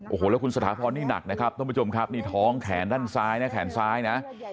โอ้โหแล้วคุณสถาพรนี่หนักนะครับท่านผู้ชมครับนี่ท้องแขนด้านซ้ายนะแขนซ้ายนะ